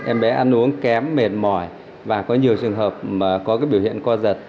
em bé ăn uống kém mệt mỏi và có nhiều trường hợp có biểu hiện co giật